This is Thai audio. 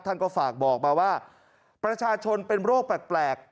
ท่านก็ฝากบอกมาว่าประชาชนเป็นโรคแปลก